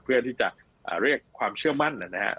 เพื่อที่จะเรียกความเชื่อมั่นนะครับ